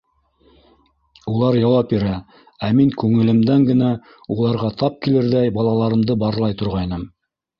Улар яуап бирә, ә мин күңелемдән генә уларға тап килерҙәй балаларымды барлай торғайным.